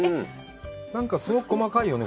なんかすごく細かいよね。